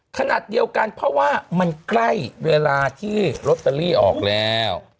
ขนาดเดียวกันเพราะว่ามันใกล้เวลาที่ลอตเตอรี่ออกแล้ว